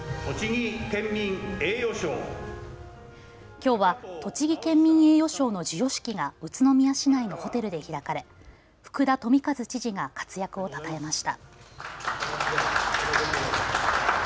きょうは栃木県民栄誉賞の授与式が宇都宮市内のホテルで開かれ福田富一知事が活躍をたたえました。